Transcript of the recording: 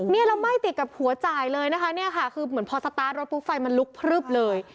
เนี่ยเราไหม้ติดกับหัวจ่ายเลยนะคะเนี่ยค่ะคือเหมือนพอสตาร์ทรถปุ๊บไฟมันลุกพลึบเลย